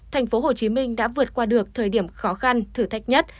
thành phố hồ chí minh đã vượt qua được thời điểm khó khăn thử thách nhất